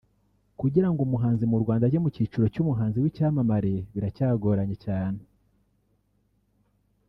Kugira ngo umuhanzi mu Rwanda ajye mu cyiciro cy’umuhanzi w’icyamamare biracyagoranye cyane